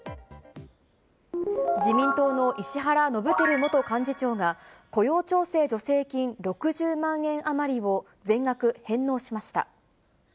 自民党の石原伸晃元幹事長が、雇用調整助成金６０万円余りを全額返納しました。